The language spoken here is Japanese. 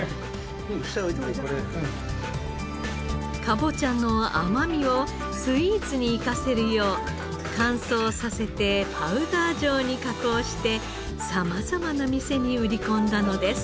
かぼちゃの甘みをスイーツに生かせるよう乾燥させてパウダー状に加工して様々な店に売り込んだのです。